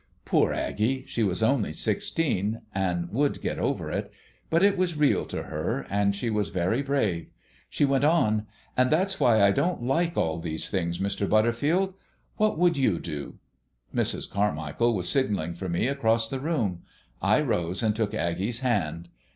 Poor Aggie! She was only sixteen, and would get over it; but it was real to her, and she was very brave. She went on: "And that's why I don't like all these things, Mr. Butterfield. What would you do?" Mrs. Carmichael was signalling for me across the room. I rose and took Aggie's hand.